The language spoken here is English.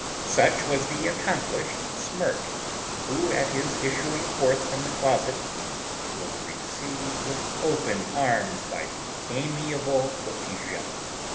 Such was the accomplished Smirk, who, at his issuing forth from the closet, was received with open arms by the amiable Laetitia.